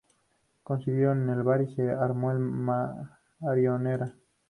Coincidieron en el bar y se armó la Marimorena